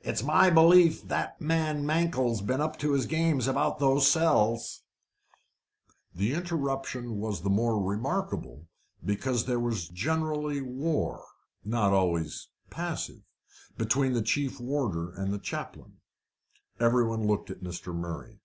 "It's my belief that man Mankell's been up to his games about those cells." The interruption was the more remarkable, because there was generally war not always passive between the chief warder and the chaplain. Every one looked at Mr. Murray.